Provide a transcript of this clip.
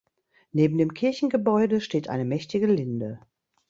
Neben dem Kirchengebäude steht eine mächtige Linde.